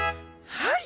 はい。